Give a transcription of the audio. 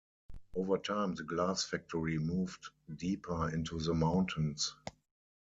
Over time the glass factory moved deeper into the mountains.